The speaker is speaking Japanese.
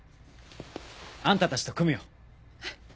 あんたたちと組むよ。